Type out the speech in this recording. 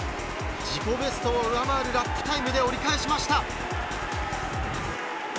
自己ベストを上回るラップタイムで折り返しました。